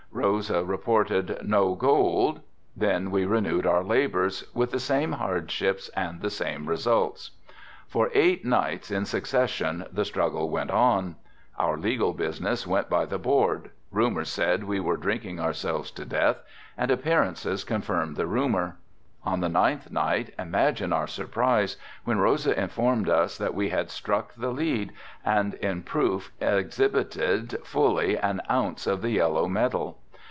Rosa reported "No gold." Then we renewed our labors, with the same hardships and the same results. For eight nights in succession the struggle went on. Our legal business went by the board, rumor said we were drinking ourselves to death and appearances confirmed the rumor. On the ninth night imagine our surprise when Rosa informed us that we had struck the lead and in proof exhibited fully an ounce of the yellow metal.